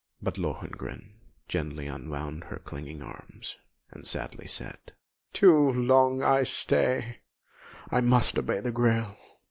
But Lohengrin gently unwound her clinging arms, and sadly said: "Too long I stay I must obey the Grail!